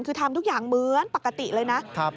คือทำทุกอย่างเหมือนปกติเลยนะ